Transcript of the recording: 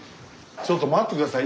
ちょっと待って下さい。